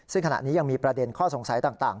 ซึ่งขณะนี้ยังมีประเด็นข้อสงสัยต่าง